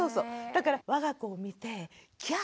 だから我が子を見てぎゃ